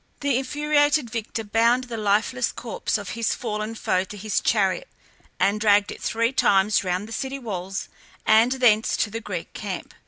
The infuriated victor bound the lifeless corse of his fallen foe to his chariot, and dragged it three times round the city walls and thence to the Greek camp.